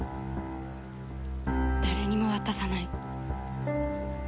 誰にも渡さない。